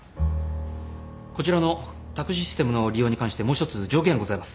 こちらの宅・システムの利用に関してもう１つ条件がございます。